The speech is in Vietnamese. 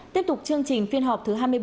tiếp tục chương trình phiên họp thứ hai mươi bốn